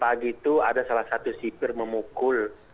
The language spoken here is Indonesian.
pagi itu ada salah satu sipir memukul